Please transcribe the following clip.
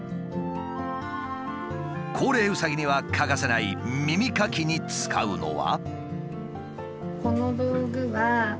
高齢うさぎには欠かせない耳かきに使うのは。